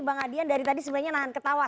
bang adian dari tadi sebenarnya nahan ketawa